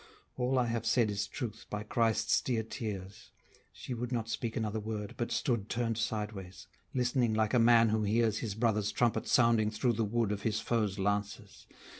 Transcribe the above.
All I have said is truth, by Christ's dear tears. She would not speak another word, but stood Turn'd sideways; listening, like a man who hears His brother's trumpet sounding through the wood Of his foes' lances.